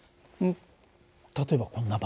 例えばこんなばね。